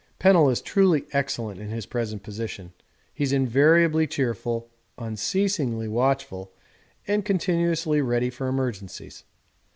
Pennell is truly excellent in his present position he's invariably cheerful, unceasingly watchful, and continuously ready for emergencies.